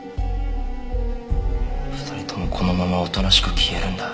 ２人ともこのままおとなしく消えるんだ。